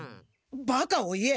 バカを言え。